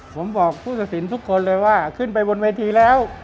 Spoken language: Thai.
ผมบอกผู้ตัดสินทุกคนเลยว่าขึ้นไปบนเวทีแล้ว